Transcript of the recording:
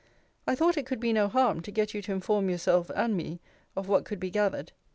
I thought it could be no harm, to get you to inform yourself, and me, of what could be gathered.